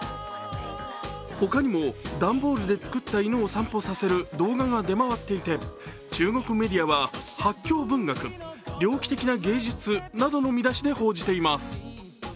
他にも段ボールで作った犬を散歩させる動画が出回っていて中国メディアは発狂文学、猟奇的な芸術などの見出しで報じています。